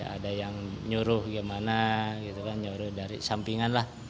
ada yang nyuruh gimana gitu kan nyuruh dari sampingan lah